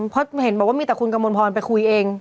เพราะเห็นบอกว่ามีแต่คุณกระมวลพรไปคุยเอง